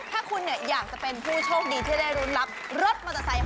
ถ้าคุณอยากจะเป็นผู้โชคดีที่ได้รุ้นรับรถมอเตอร์ไซค์